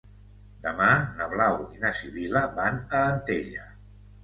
Demà na Blau i na Sibil·la van a Antella.